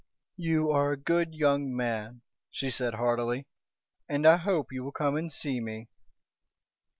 "You are a good young man," she said heartily. "And I hope you will come and see me."